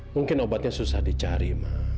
mungkin obatnya susah dicari